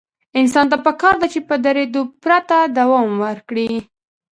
انسان ته پکار ده چې په درېدو پرته دوام ورکړي.